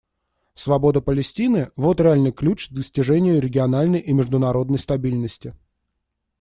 Свобода Палестины — вот реальный ключ к достижению региональной и международной стабильности.